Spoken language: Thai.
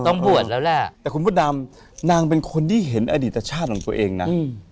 นางเป็นคนที่เห็นอดีตชาติของตัวเองนะ